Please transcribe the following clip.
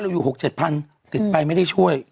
อยู่๖๗พันติดไปไม่ได้ช่วย